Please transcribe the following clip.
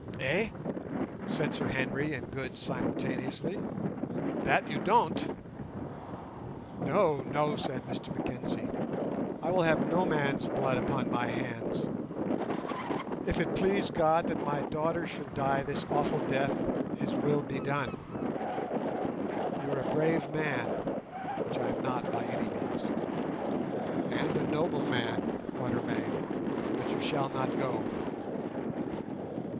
"Eh?" said Sir Henry and Good simultaneously. "That you don't." "No, no," said Mr Mackenzie. "I will have no man's blood upon my hands. If it please God that my daughter should die this awful death, His will be done. You are a brave man (which I am not by any means) and a noble man, Quatermain, but you shall not go."